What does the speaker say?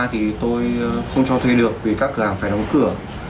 thì tôi không cho thuê được vì các cửa hàng phải đóng cửa